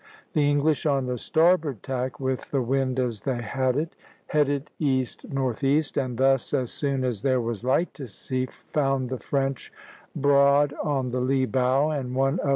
The English on the starboard tack, with the wind as they had it, headed east northeast, and thus, as soon as there was light to see, found the French "broad on the lee bow, and one of M.